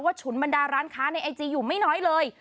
ฉุนบรรดาร้านค้าในไอจีอยู่ไม่น้อยเลย